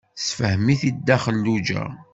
Tessefhem-it-id Nna Xelluǧa.